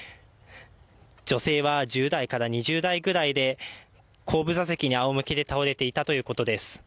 女性は１０代から２０代ぐらいで後部座席にあおむけで倒れていたということです。